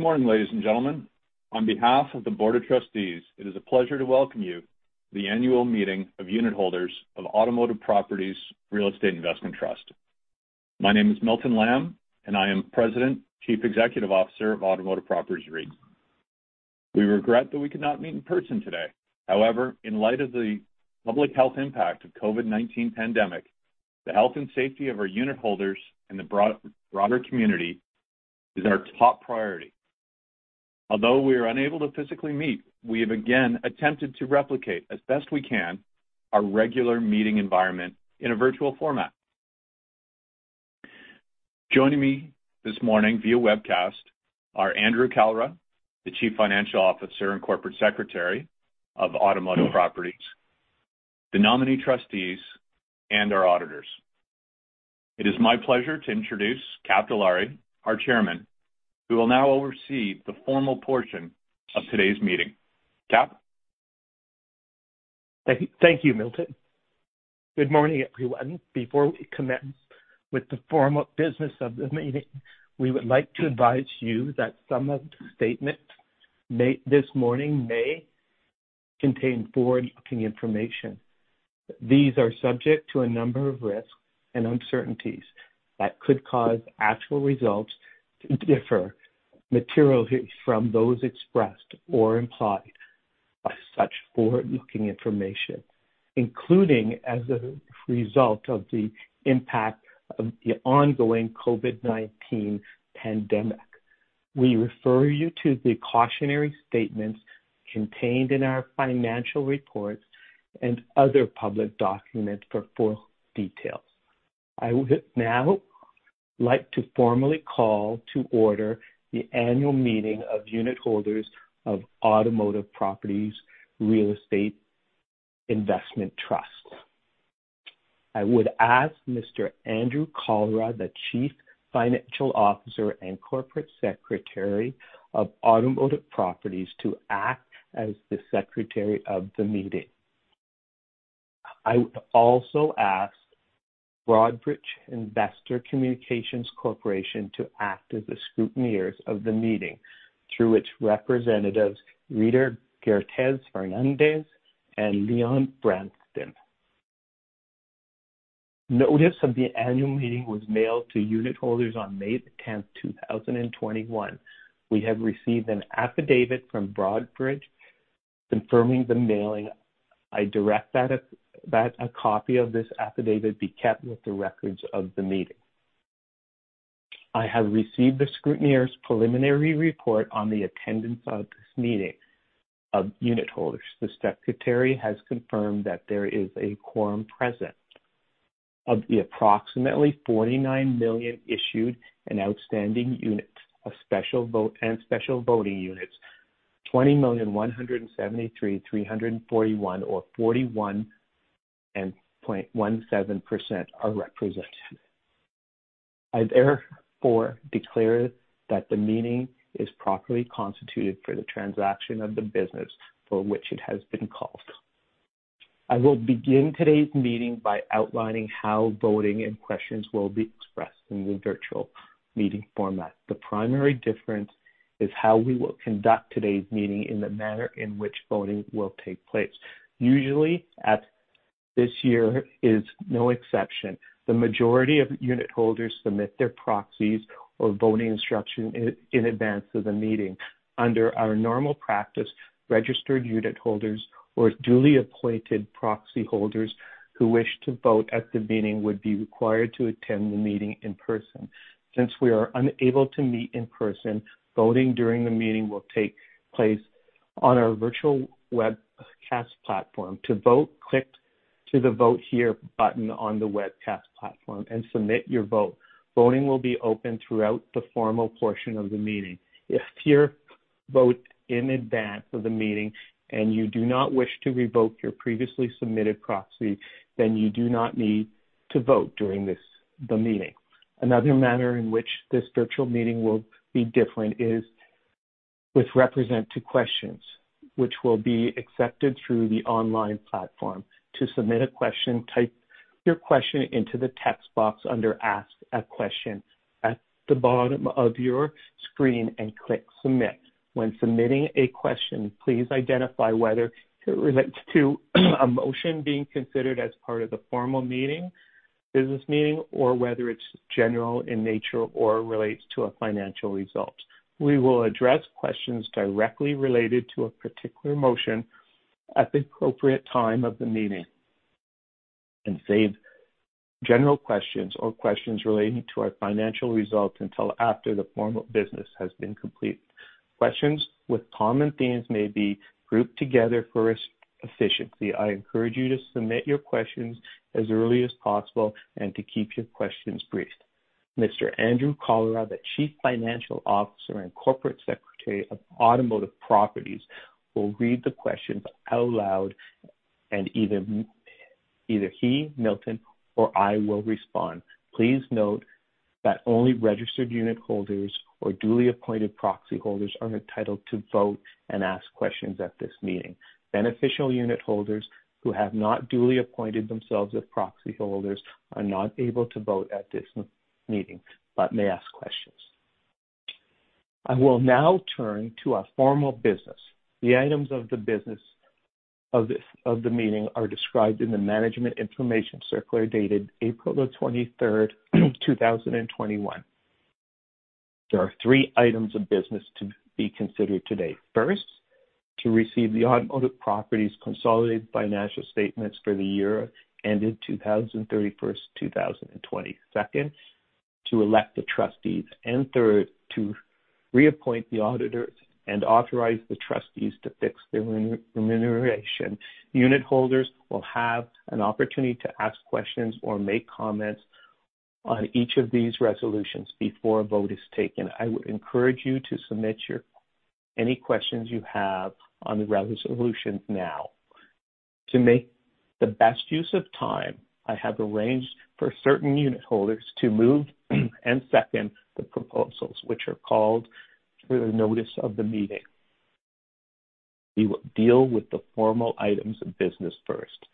Good morning, ladies and gentlemen. On behalf of the Board of Trustees, it is a pleasure to welcome you to the Annual Meeting of Unitholders of Automotive Properties Real Estate Investment Trust. My name is Milton Lamb, and I am President, Chief Executive Officer of Automotive Properties REIT. We regret that we could not meet in person today. However, in light of the public health impact of COVID-19 pandemic, the health and safety of our unitholders and the broader community is our top priority. Although we are unable to physically meet, we have again attempted to replicate as best we can, our regular meeting environment in a virtual format. Joining me this morning via webcast are Andrew Kalra, the Chief Financial Officer and Corporate Secretary of Automotive Properties, the nominee trustees, and our auditors. It is my pleasure to introduce Kap Dilawri, our Chairman, who will now oversee the formal portion of today's meeting. Kap? Thank you, Milton. Good morning, everyone. Before we commence with the formal business of the meeting, we would like to advise you that some of the statements made this morning may contain forward-looking information. These are subject to a number of risks and uncertainties that could cause actual results to differ materially from those expressed or implied by such forward-looking information, including as a result of the impact of the ongoing COVID-19 pandemic. We refer you to the cautionary statements contained in our financial reports and other public documents for full details. I would now like to formally call to order the annual meeting of unitholders of Automotive Properties Real Estate Investment Trust. I would ask Mr. Andrew Kalra, the Chief Financial Officer and Corporate Secretary of Automotive Properties, to act as the secretary of the meeting. I would also ask Broadridge Investor Communication Solutions to act as the scrutineers of the meeting through its representatives, Rita Gertes Fernandez and Leon Branston. Notice of the annual meeting was mailed to unitholders on May 10th, 2021. We have received an affidavit from Broadridge confirming the mailing. I direct that a copy of this affidavit be kept with the records of the meeting. I have received the scrutineer's preliminary report on the attendance of this meeting of unitholders. The secretary has confirmed that there is a quorum present. Of the approximately 49 million issued and outstanding units of special vote and special voting units, 20,173,341 or 41.17% are represented. I therefore declare that the meeting is properly constituted for the transaction of the business for which it has been called. I will begin today's meeting by outlining how voting and questions will be expressed in the virtual meeting format. The primary difference is how we will conduct today's meeting in the manner in which voting will take place. Usually, as this year is no exception, the majority of unitholders submit their proxies or voting instruction in advance of the meeting. Under our normal practice, registered unitholders or duly appointed proxy holders who wish to vote at the meeting would be required to attend the meeting in person. Since we are unable to meet in person, voting during the meeting will take place on our virtual webcast platform. To vote, click to the Vote Here button on the webcast platform and submit your vote. Voting will be open throughout the formal portion of the meeting. If you vote in advance of the meeting and you do not wish to revoke your previously submitted proxy, then you do not need to vote during this, the meeting. Another manner in which this virtual meeting will be different is with represent to questions, which will be accepted through the online platform. To submit a question, type your question into the text box under Ask a Question at the bottom of your screen and click Submit. When submitting a question, please identify whether it relates to a motion being considered as part of the formal meeting, business meeting, or whether it's general in nature or relates to a financial result. We will address questions directly related to a particular motion at the appropriate time of the meeting and save general questions or questions relating to our financial results until after the formal business has been complete. Questions with common themes may be grouped together for efficiency. I encourage you to submit your questions as early as possible and to keep your questions brief. Mr. Andrew Kalra, the Chief Financial Officer and Corporate Secretary of Automotive Properties, will read the questions out loud and either he, Milton, or I will respond. Please note that only registered unitholders or duly appointed proxy holders are entitled to vote and ask questions at this meeting. Beneficial unitholders who have not duly appointed themselves as proxy holders are not able to vote at this meeting but may ask questions. I will now turn to our formal business. The items of the business of this meeting are described in the management information circular, dated April 23rd, 2021. There are three items of business to be considered today. First, to receive the Automotive Properties consolidated by financial statements for the year, ended December 31st, 2020. Second, to elect the trustees. Third, to reappoint the auditors and authorize the trustees to fix their remuneration. Unitholders will have an opportunity to ask questions or make comments on each of these resolutions before a vote is taken. I would encourage you to submit any questions you have on the resolutions now. To make the best use of time, I have arranged for certain unitholders to move and second the proposals, which are called through the notice of the meeting. We will deal with the formal items of business first,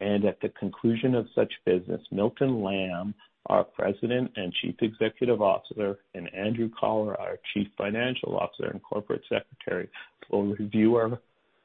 and at the conclusion of such business, Milton Lamb, our President and Chief Executive Officer, and Andrew Kalra, our Chief Financial Officer and Corporate Secretary, will review our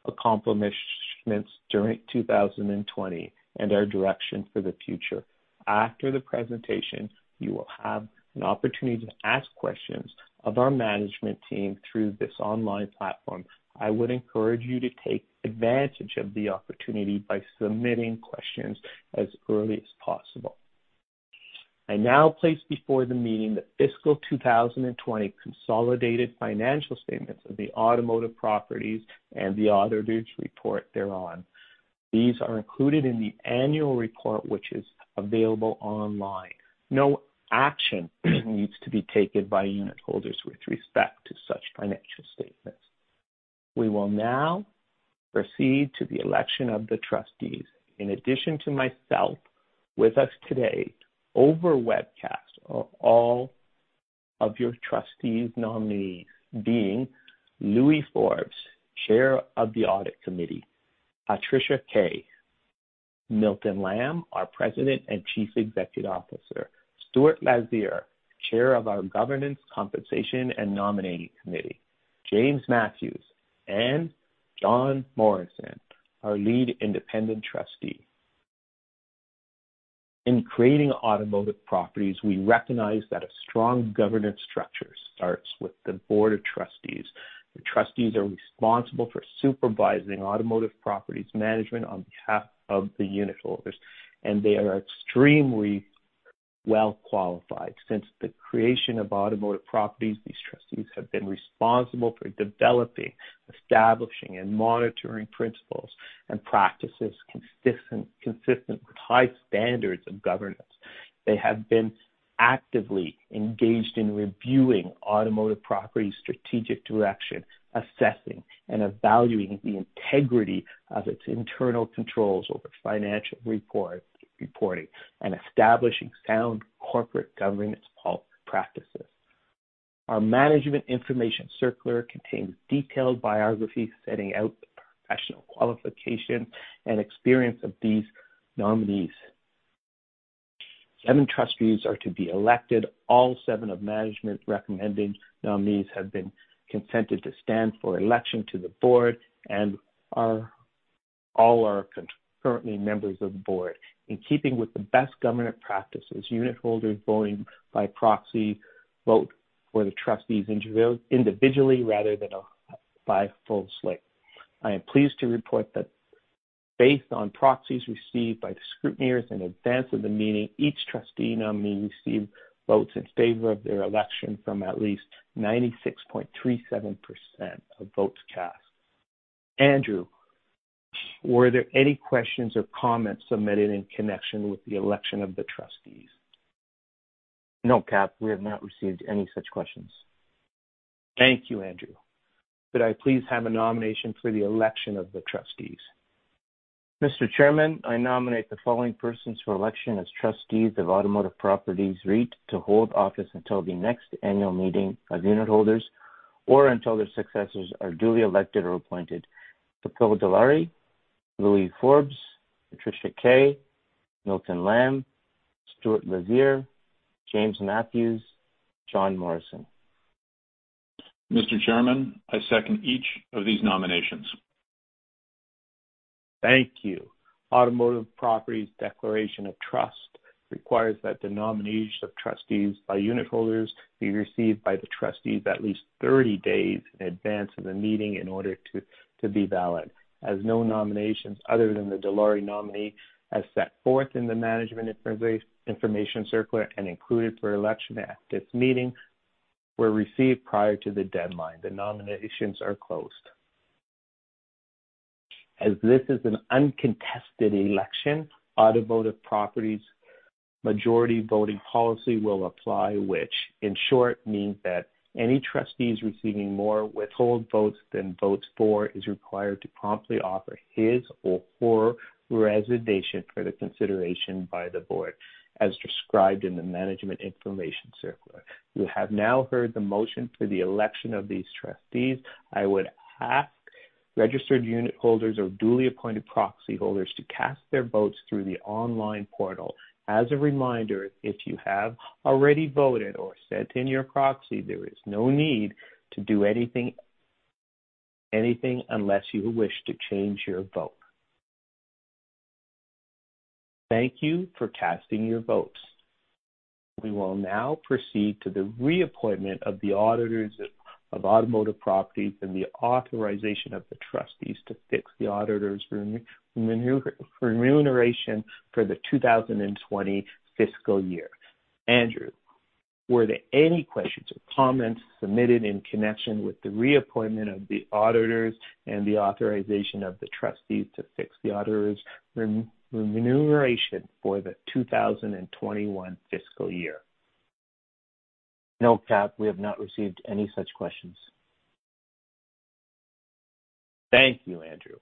accomplishments during 2020, and our direction for the future. After the presentation, you will have an opportunity to ask questions of our management team through this online platform. I would encourage you to take advantage of the opportunity by submitting questions as early as possible. I now place before the meeting, the fiscal 2020 consolidated financial statements of the Automotive Properties and the auditors' report thereon. These are included in the annual report, which is available online. No action needs to be taken by unitholders with respect to such financial statements. We will now proceed to the election of the trustees. In addition to myself, with us today, over webcast are all of your trustees' nominees, being Louis Forbes, Chair of the Audit Committee, Patricia Kay, Milton Lamb, our President and Chief Executive Officer, Stuart Lazier, Chair of our Governance, Compensation and Nominating Committee, James Matthews, and John Morrison, our Lead Independent Trustee. In creating Automotive Properties, we recognize that a strong governance structure starts with the board of trustees. The trustees are responsible for supervising Automotive Properties management on behalf of the unitholders. They are extremely well qualified. Since the creation of Automotive Properties, these trustees have been responsible for developing, establishing, and monitoring principles and practices consistent with high standards of governance. They have been actively engaged in reviewing Automotive Properties' strategic direction, assessing and evaluating the integrity of its internal controls over financial reporting, and establishing sound corporate governance practices. Our management information circular contains detailed biographies setting out the professional qualification and experience of these nominees. Seven trustees are to be elected. All seven of management recommending nominees have been consented to stand for election to the board and all are concurrently members of the board. In keeping with the best governance practices, unitholders voting by proxy vote for the trustees individually, rather than by full slate. I am pleased to report that based on proxies received by the scrutineers in advance of the meeting, each trustee nominee received votes in favor of their election from at least 96.37% of votes cast. Andrew, were there any questions or comments submitted in connection with the election of the trustees? No, Kap, we have not received any such questions. Thank you, Andrew. Could I please have a nomination for the election of the trustees? Mr. Chairman, I nominate the following persons for election as trustees of Automotive Properties REIT to hold office until the next annual meeting of unitholders, or until their successors are duly elected or appointed. Kapil Dilawri, Louis Forbes, Patricia Kay, Milton Lamb, Stuart Lazier, James Matthews, John Morrison. Mr. Chairman, I second each of these nominations. Thank you. Automotive Properties Declaration of Trust requires that the nominations of trustees by unitholders be received by the trustees at least 30 days in advance of the meeting in order to be valid. No nominations other than the Dilawri nominee, as set forth in the management information circular and included for election at this meeting, were received prior to the deadline, the nominations are closed. This is an uncontested election, Automotive Properties' majority voting policy will apply, which in short, means that any trustees receiving more withhold votes than votes for, is required to promptly offer his or her resignation for the consideration by the board, as described in the management information circular. You have now heard the motion for the election of these trustees. I would ask registered unitholders or duly appointed proxy holders to cast their votes through the online portal. As a reminder, if you have already voted or sent in your proxy, there is no need to do anything unless you wish to change your vote. Thank you for casting your votes. We will now proceed to the reappointment of the auditors of Automotive Properties and the authorization of the trustees to fix the auditors remuneration for the 2020 fiscal year. Andrew, were there any questions or comments submitted in connection with the reappointment of the auditors and the authorization of the trustees to fix the auditors remuneration for the 2021 fiscal year? No, Kap. We have not received any such questions. Thank you, Andrew.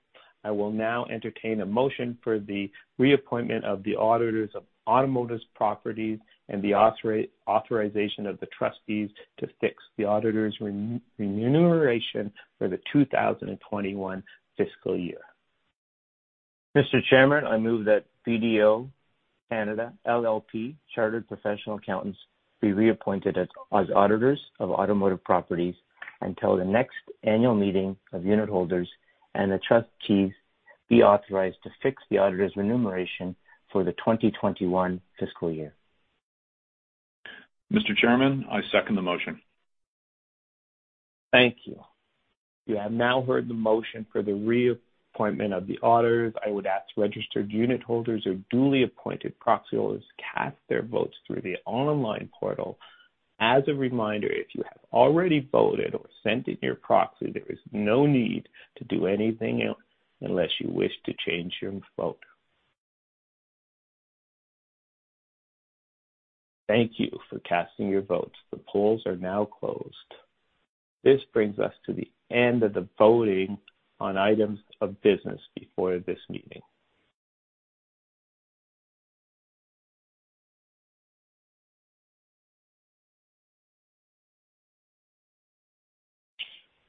I will now entertain a motion for the reappointment of the auditors of Automotive Properties and the authorization of the trustees to fix the auditors remuneration for the 2021 fiscal year. Mr. Chairman, I move that BDO Canada LLP chartered professional accountants, be reappointed as auditors of Automotive Properties until the next annual meeting of unit holders and the trustees be authorized to fix the auditors' remuneration for the 2021 fiscal year. Mr. Chairman, I second the motion. Thank you. You have now heard the motion for the reappointment of the auditors. I would ask registered unit holders or duly appointed proxy holders cast their votes through the online portal. As a reminder, if you have already voted or sent in your proxy, there is no need to do anything else unless you wish to change your vote. Thank you for casting your votes. The polls are now closed. This brings us to the end of the voting on items of business before this meeting.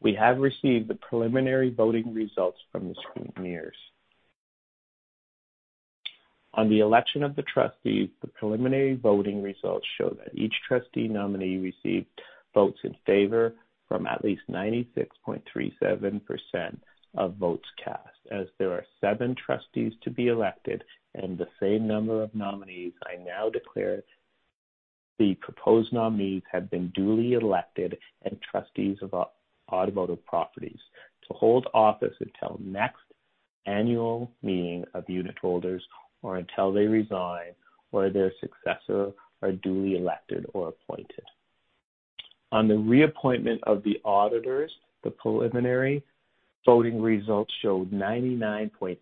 We have received the preliminary voting results from the scrutineers. On the election of the trustees, the preliminary voting results show that each trustee nominee received votes in favor from at least 96.37% of votes cast. As there are 7 trustees to be elected and the same number of nominees, I now declare the proposed nominees have been duly elected as trustees of Automotive Properties to hold office until next annual meeting of unit holders or until they resign or their successor are duly elected or appointed. On the reappointment of the auditors, the preliminary voting results showed 99.87%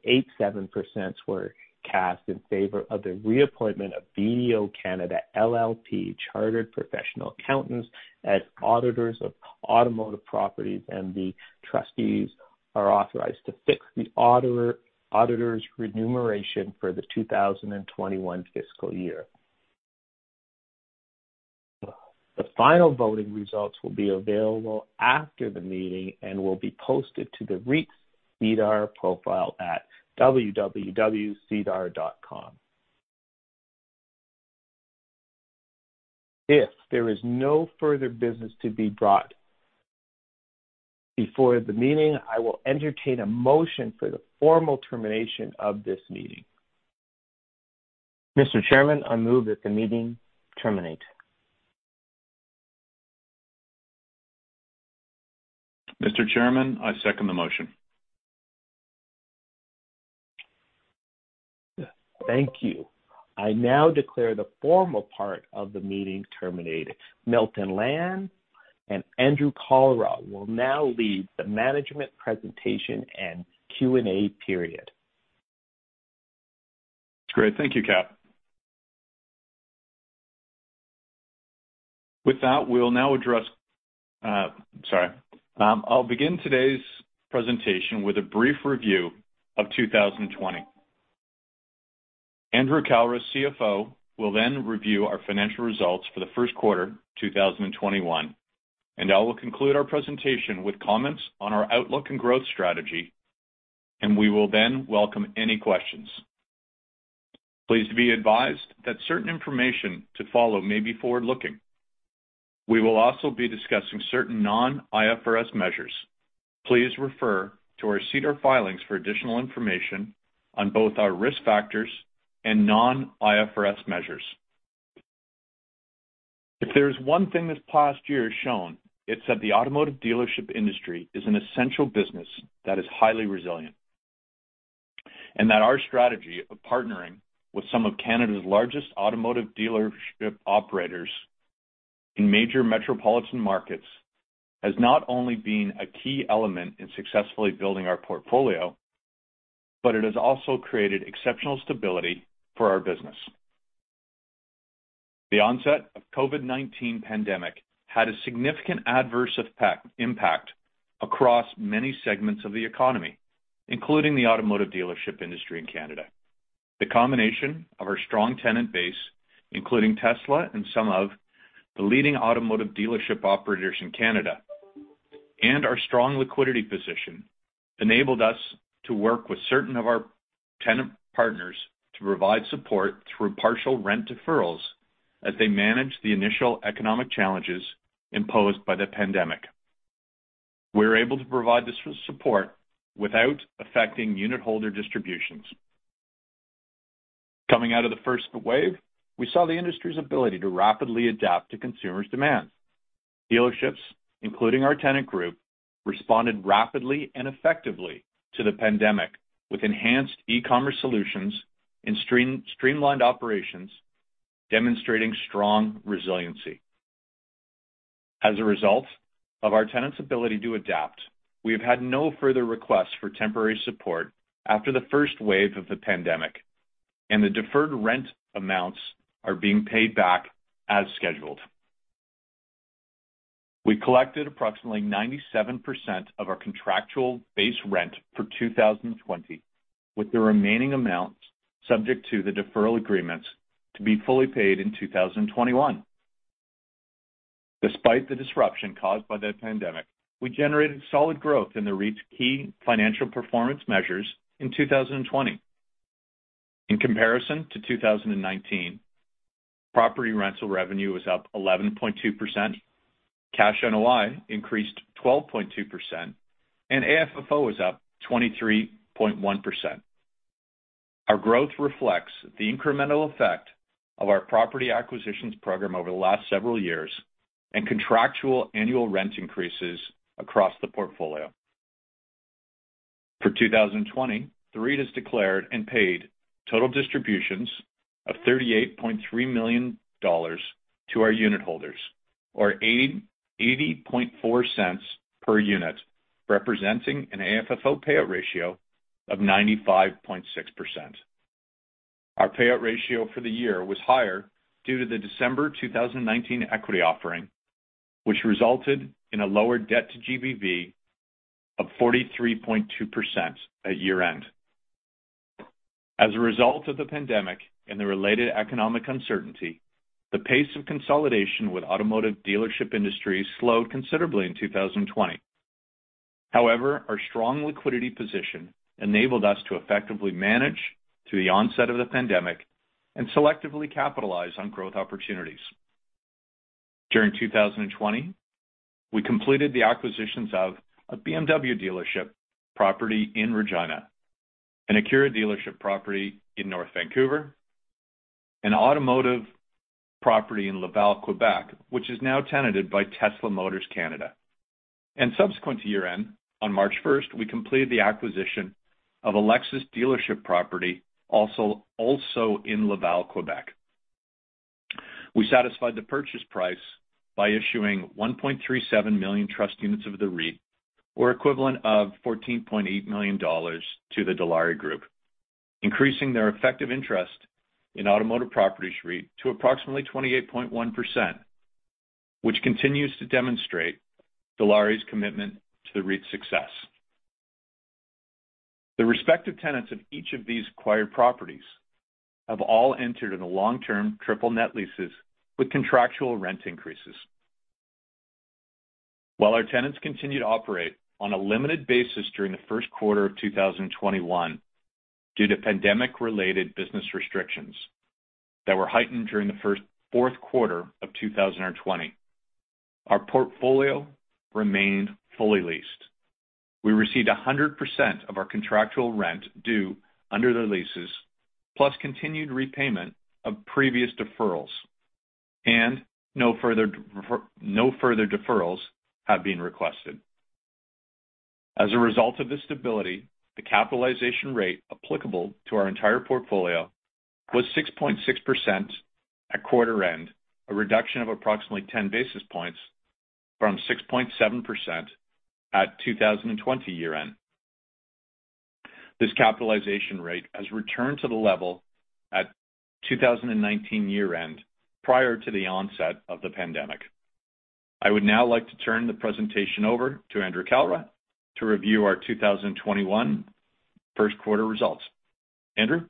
were cast in favor of the reappointment of BDO Canada LLP, chartered professional accountants as auditors of Automotive Properties. The trustees are authorized to fix the auditors' remuneration for the 2021 fiscal year. The final voting results will be available after the meeting and will be posted to the REIT's SEDAR profile at www.sedar.com. If there is no further business to be brought before the meeting, I will entertain a motion for the formal termination of this meeting. Mr. Chairman, I move that the meeting terminate. Mr. Chairman, I second the motion. Thank you. I now declare the formal part of the meeting terminated. Milton Lamb and Andrew Kalra will now lead the management presentation and Q&A period. Great. Thank you, Kap. I'll begin today's presentation with a brief review of 2020. Andrew Kalra, CFO, will then review our financial results for the first quarter 2021. I will conclude our presentation with comments on our outlook and growth strategy, and we will then welcome any questions. Please be advised that certain information to follow may be forward-looking. We will also be discussing certain non-IFRS measures. Please refer to our SEDAR filings for additional information on both our risk factors and non-IFRS measures. If there is one thing this past year has shown, it's that the automotive dealership industry is an essential business that is highly resilient, and that our strategy of partnering with some of Canada's largest automotive dealership operators in major metropolitan markets has not only been a key element in successfully building our portfolio, but it has also created exceptional stability for our business. The onset of COVID-19 pandemic had a significant adverse impact across many segments of the economy. including the automotive dealership industry in Canada. The combination of our strong tenant base, including Tesla and some of the leading automotive dealership operators in Canada, and our strong liquidity position, enabled us to work with certain of our tenant partners to provide support through partial rent deferrals as they managed the initial economic challenges imposed by the pandemic. We were able to provide this support without affecting unitholder distributions. Coming out of the first wave, we saw the industry's ability to rapidly adapt to consumers' demands. Dealerships, including our tenant group, responded rapidly and effectively to the pandemic, with enhanced e-commerce solutions and streamlined operations, demonstrating strong resiliency. As a result of our tenants' ability to adapt, we have had no further requests for temporary support after the first wave of the pandemic, and the deferred rent amounts are being paid back as scheduled. We collected approximately 97% of our contractual base rent for 2020, with the remaining amounts subject to the deferral agreements to be fully paid in 2021. Despite the disruption caused by the pandemic, we generated solid growth in the REIT's key financial performance measures in 2020. In comparison to 2019, property rental revenue was up 11.2%, cash NOI increased 12.2%, AFFO was up 23.1%. Our growth reflects the incremental effect of our property acquisitions program over the last several years, and contractual annual rent increases across the portfolio. For 2020, the REIT has declared and paid total distributions of 38.3 million dollars to our unitholders, or 0.804 per unit, representing an AFFO Payout Ratio of 95.6%. Our payout ratio for the year was higher due to the December 2019 equity offering, which resulted in a lower debt to GBV of 43.2% at year-end. As a result of the pandemic and the related economic uncertainty, the pace of consolidation with automotive dealership industry slowed considerably in 2020. However, our strong liquidity position enabled us to effectively manage through the onset of the pandemic and selectively capitalize on growth opportunities. During 2020, we completed the acquisitions of a BMW dealership property in Regina, an Acura dealership property in North Vancouver, an automotive property in Laval, Quebec, which is now tenanted by Tesla Motors Canada. Subsequent to year-end, on March 1st, we completed the acquisition of a Lexus dealership property, also in Laval, Quebec. We satisfied the purchase price by issuing 1.37 million trust units of the REIT, or equivalent of 14.8 million dollars to the Dilawri Group, increasing their effective interest in Automotive Properties REIT to approximately 28.1%, which continues to demonstrate Dilawri's commitment to the REIT's success. The respective tenants of each of these acquired properties have all entered into long-term triple net leases with contractual rent increases. While our tenants continued to operate on a limited basis during the first quarter of 2021, due to pandemic-related business restrictions that were heightened during the fourth quarter of 2020, our portfolio remained fully leased. We received 100% of our contractual rent due under the leases, plus continued repayment of previous deferrals and no further deferrals have been requested. As a result of this stability, the capitalization rate applicable to our entire portfolio was 6.6% at quarter end, a reduction of approximately 10 basis points from 6.7% at 2020 year-end. This capitalization rate has returned to the level at 2019 year-end, prior to the onset of the pandemic. I would now like to turn the presentation over to Andrew Kalra, to review our 2021 first quarter results. Andrew?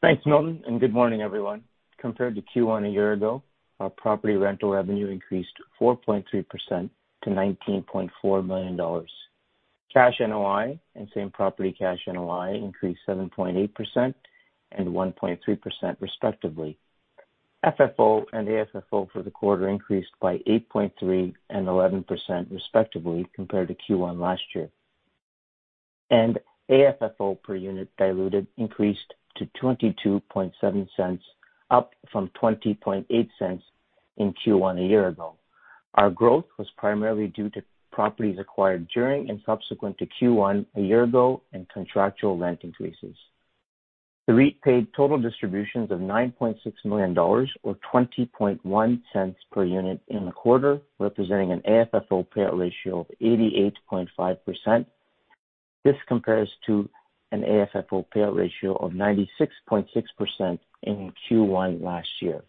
Thanks, Milton, and good morning, everyone. Compared to Q1 a year ago, our property rental revenue increased 4.3% to 19.4 million dollars. Cash NOI and same-property cash NOI increased 7.8% and 1.3%, respectively. FFO and AFFO for the quarter increased by 8.3% and 11%, respectively, compared to Q1 last year. AFFO per unit diluted increased to 0.227, up from 0.208 in Q1 a year ago. Our growth was primarily due to properties acquired during and subsequent to Q1 a year ago, and contractual rent increases. The REIT paid total distributions of 9.6 million dollars, or 0.201 per unit in the quarter, representing an AFFO Payout Ratio of 88.5%. This compares to an AFFO Payout Ratio of 96.6% in Q1 last year.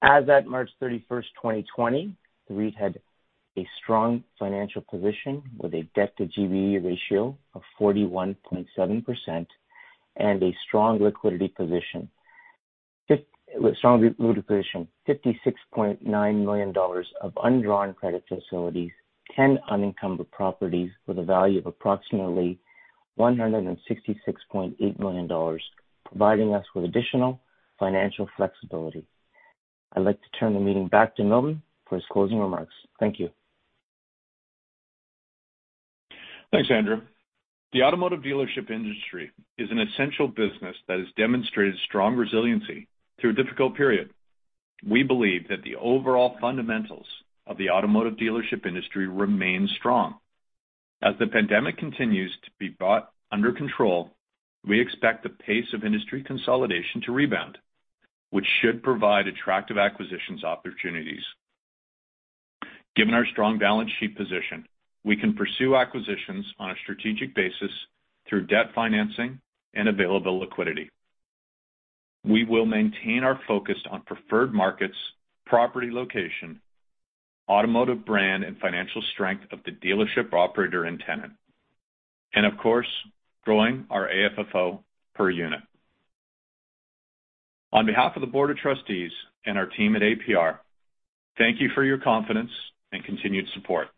As at March 31, 2020, the REIT had a strong financial position with a debt to GBE ratio of 41.7% and a strong liquidity position. 56.9 million dollars of undrawn credit facilities, 10 unencumbered properties with a value of approximately 166.8 million dollars, providing us with additional financial flexibility. I'd like to turn the meeting back to Milton for his closing remarks. Thank you. Thanks, Andrew. The automotive dealership industry is an essential business that has demonstrated strong resiliency through a difficult period. We believe that the overall fundamentals of the automotive dealership industry remain strong. As the pandemic continues to be brought under control, we expect the pace of industry consolidation to rebound, which should provide attractive acquisitions opportunities. Given our strong balance sheet position, we can pursue acquisitions on a strategic basis through debt financing and available liquidity. We will maintain our focus on preferred markets, property location, automotive brand, and financial strength of the dealership operator and tenant, and of course, growing our AFFO per unit. On behalf of the Board of Trustees and our team at APR.UN, thank you for your confidence and continued support.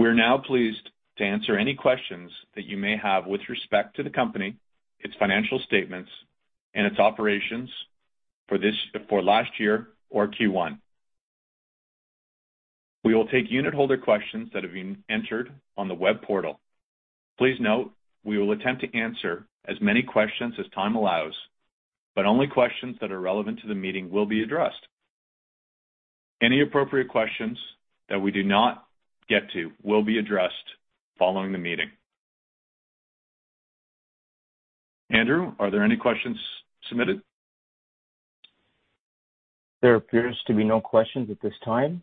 We are now pleased to answer any questions that you may have with respect to the company, its financial statements, and its operations for last year or Q1. We will take unitholder questions that have been entered on the web portal. Please note we will attempt to answer as many questions as time allows, but only questions that are relevant to the meeting will be addressed. Any appropriate questions that we do not get to will be addressed following the meeting. Andrew, are there any questions submitted? There appears to be no questions at this time.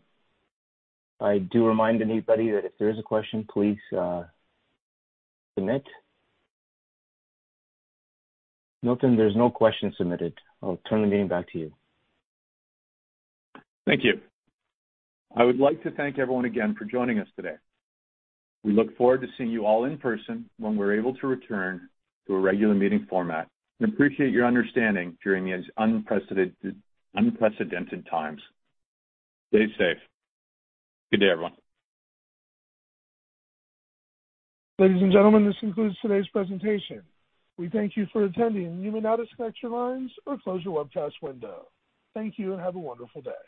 I do remind anybody that if there is a question, please submit. Milton, there's no questions submitted. I'll turn the meeting back to you. Thank you. I would like to thank everyone again for joining us today. We look forward to seeing you all in person when we're able to return to a regular meeting format and appreciate your understanding during these unprecedented times. Stay safe. Good day, everyone. Ladies and gentlemen, this concludes today's presentation. We thank you for attending. You may now disconnect your lines or close your web cast window. Thank you, and have a wonderful day.